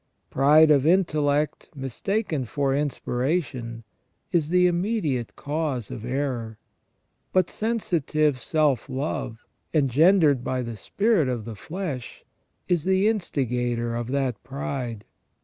Pride of intellect, mistaken for inspiration, is the immediate cause of error, but sensitive self love, engendered by the spirit of the flesh, is the THE SECONDARY IMAGE OF GOD IN MAN. 75 instigator of that pride.